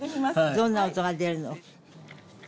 どんな音が出るの？